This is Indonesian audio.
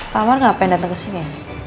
pak amar gak pengen datang kesini